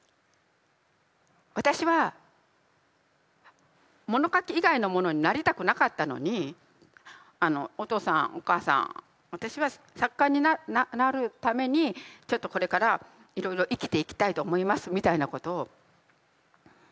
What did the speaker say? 私は物書き以外のものになりたくなかったのにあのお父さんお母さん私は作家になるためにちょっとこれからいろいろ生きていきたいと思いますみたいなことを言えないんですよ。